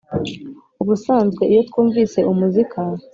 Ubusanzwe iyo twumvise umuzika